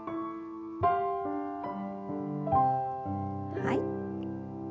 はい。